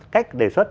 cách đề xuất